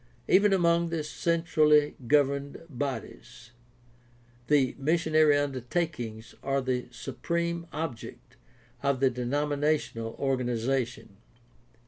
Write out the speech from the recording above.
Even among the centrally governed bodies the missionary undertakings are the supreme object of the denominational organization.